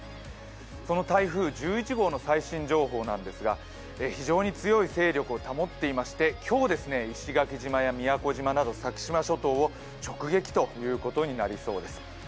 この台風１１号の最新情報なんですが、非常に強い勢力を保っていまして今日、石垣島や宮古島など先島諸島を直撃ということになりそうです。